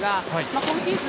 今シーズン